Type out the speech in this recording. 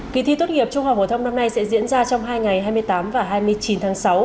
kỳ thi tốt nghiệp trung học phổ thông năm nay sẽ diễn ra trong hai ngày hai mươi tám và hai mươi chín tháng sáu